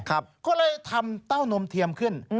ก็ออกอะไรทำเต้านมเทียมขึ้น